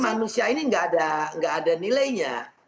jadi manusia ini nggak ada nilainya